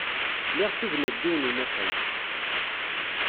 Liɣ tugna n yiwen n unafag.